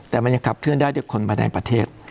แต่มันยังขับเคลื่อนได้ด้วยคนภายในประเทศ